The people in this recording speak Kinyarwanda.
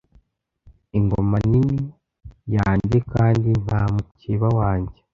Ingoma nini yanjye kandi nta mukeba wanjye